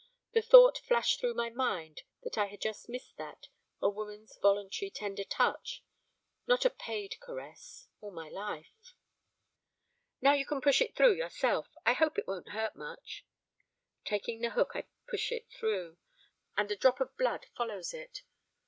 The thought flashed through my mind that I had just missed that, a woman's voluntary tender touch, not a paid caress, all my life. 'Now you can push it through yourself. I hope it won't hurt much.' Taking the hook, I push it through, and a drop of blood follows it.